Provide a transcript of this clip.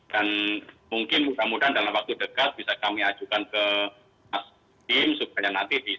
dan mungkin mudah mudahan dalam waktu dekat bisa kami ajukan ke tim supaya nanti diisahkan sebagai pesawat superman league good yang mengelola untuk standar pendidikan jarak jauh